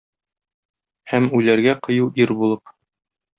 Һәм үләргә кыю ир булып.